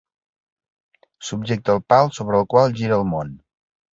Subjecta el pal sobre el qual gira el món.